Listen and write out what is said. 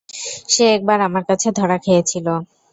সে একবার আমার কাছে ধরা খেয়েছিল।